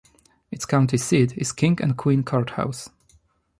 Its county seat is King and Queen Court House.